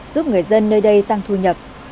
giúp người dân nơi đây tăng thu nhập